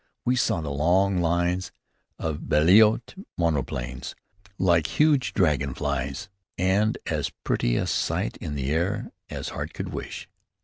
We saw the long lines of Blériot monoplanes, like huge dragon flies, and as pretty a sight in the air as heart could wish.